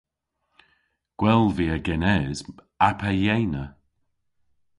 Gwell via genes a pe yeynna.